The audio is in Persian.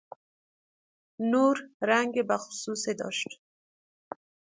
نور رنگ بخصوصی داشت.